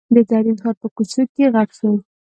د زرین ښار په کوڅو کې غږ شو.